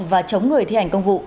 và chống người thi hành không vụ